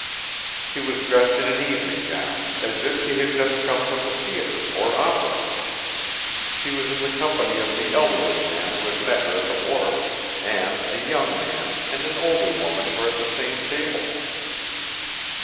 She was dressed in an evening gown, as if she had just come from the theater or opera. She was in the company of the elderly man who had met her at the wharf, and a young man and an older woman were at the same table.